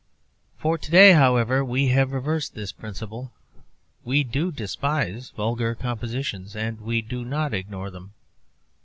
To day, however, we have reversed this principle. We do despise vulgar compositions, and we do not ignore them.